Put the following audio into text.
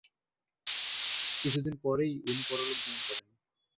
কিছুদিন পরেই উনি পরলোকগমন করেন।